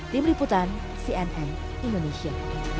tim liputan cnn indonesia